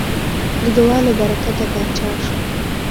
د دعا له برکته پاچا شو.